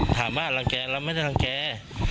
ถามแบบรังแกรมันไม่ได้รังแกร